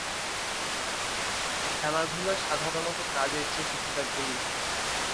খেলাধুলা সাধারণত কাজের চেয়ে কিছুটা ভিন্ন।